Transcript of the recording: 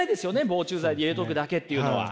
防虫剤入れとくだけっていうのは。